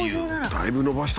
だいぶ伸びました。